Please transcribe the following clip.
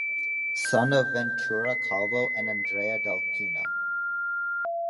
Son of Ventura Calvo and Andrea del Pino.